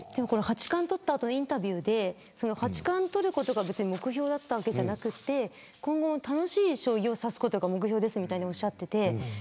八冠を取った後のインタビューで八冠を取ることが目標だったわけじゃなくて今後、楽しい将棋を指すことが目標ですみたいにおっしゃっていて。